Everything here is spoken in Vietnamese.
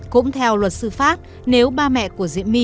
cũng theo luật sư phát nếu ba mẹ của diễm